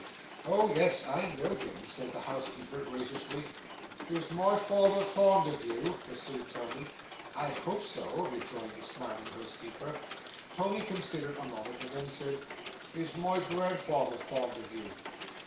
'O yes, I know him,' said the housekeeper, graciously. 'Is my father fond of you?' pursued Tony. 'I hope so,' rejoined the smiling housekeeper. Tony considered a moment, and then said, 'Is my grandfather fond of you?